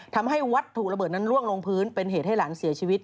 ทำให้วัตถุระเบิดนั้นล่วงลงพื้นเป็นเหตุให้หลานเสียชีวิต